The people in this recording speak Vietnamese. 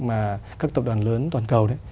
mà các tập đoàn lớn toàn cầu